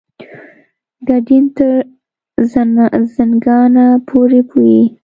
ګډین تر زنګانه پورې وي.